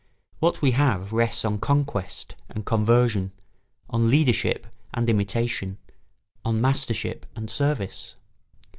What we have rests on conquest and conversion, on leadership and imitation, on mastership and service.